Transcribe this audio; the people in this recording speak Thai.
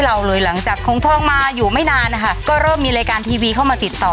เราเลยหลังจากหงทองมาอยู่ไม่นานนะคะก็เริ่มมีรายการทีวีเข้ามาติดต่อ